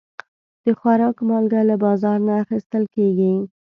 د خوراک مالګه له بازار نه اخیستل کېږي.